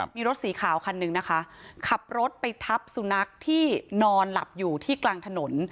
มีรถสีขาวคันหนึ่งนะคะขับรถไปทับสุนัขที่นอนหลับอยู่ที่กลางถนน